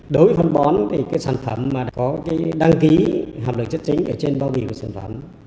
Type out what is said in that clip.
đối với phân bón thì cái sản phẩm có đăng ký hợp lực chất chính ở trên bao bì của sản phẩm